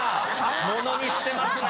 ものにしてますね。